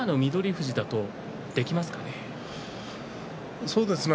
富士だとできますかね？